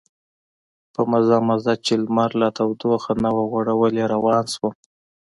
په مزه مزه چې لمر لا تودوخه نه وه غوړولې روان شوم.